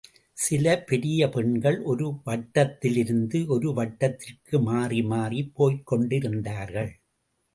சில பெரிய பெண்கள் ஒரு வட்டத்திலிருந்து ஒரு வட்டத்திற்கு மாறி மாறிப் போய்க் கொண்டிருந்தார்கள்.